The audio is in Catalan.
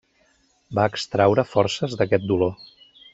Va extraure forces d'aquest dolor.